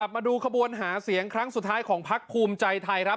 มาดูขบวนหาเสียงครั้งสุดท้ายของพักภูมิใจไทยครับ